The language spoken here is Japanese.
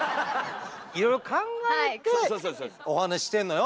いろいろ考えてお話ししてんのよ